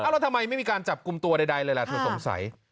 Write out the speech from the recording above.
แล้วทำไมไม่มีการจับกลุ่มตัวใดเลยล่ะเธอสงสัย